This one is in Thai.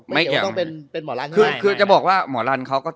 ไม่ต้องเป็นเป็นหมอลันคือคือจะบอกว่าหมอลันเขาก็